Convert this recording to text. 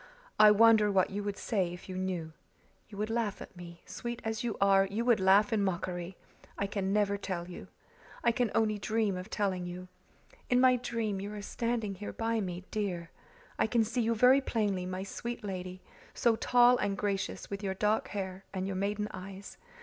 "I wonder what you would say if you knew. You would laugh at me sweet as you are, you would laugh in mockery. I can never tell you. I can only dream of telling you. In my dream you are standing here by me, dear. I can see you very plainly, my sweet lady, so tall and gracious, with your dark hair and your maiden eyes.